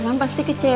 om herman pasti kecewa